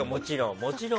もちろん。